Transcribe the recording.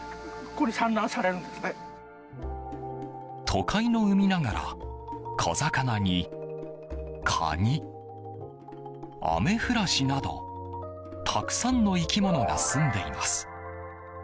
都会の海ながら小魚にカニ、アメフラシなどたくさんの生き物がすんでいます。